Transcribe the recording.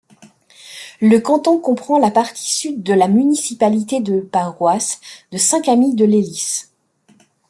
Le canton comprend la partie sud de la municipalité de paroisse de Saint-Camille-de-Lellis.